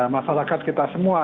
masyarakat kita semua